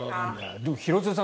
でも廣津留さん